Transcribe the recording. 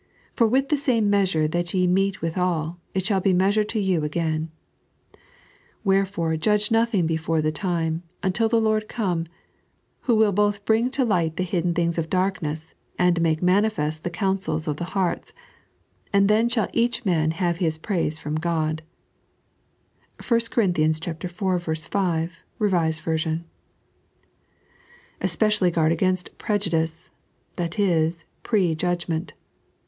For with the same measure that ye mete withal it shall be messured to you again." "Wherefore judge nothing before the time, until the Lord come, who will both bring to light the hidden things of darkness, and make manifest the counsels of the hearts, and then shall each man have his praise from God" (1 Oor. iv, 5, E.v,). Especially guard against prgvdice — that is, pre judgment.